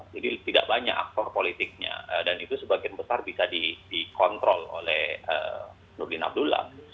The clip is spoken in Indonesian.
jadi tidak banyak aktor politiknya dan itu sebagian besar bisa dikontrol oleh rudin abdullah